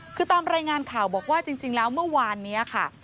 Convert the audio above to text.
คือตามรายงานข่าวบอกว่าจริงแล้วเมื่อวานนี้ค่ะ